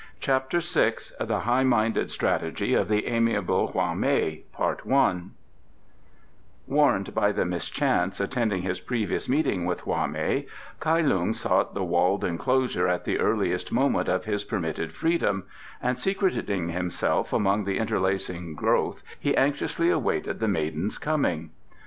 CHAPTER VI The High minded Strategy of the Amiable Hwa mei Warned by the mischance attending his previous meeting with Hwa mei, Kai Lung sought the walled enclosure at the earliest moment of his permitted freedom, and secreting himself among the interlacing growth he anxiously awaited the maiden's coming.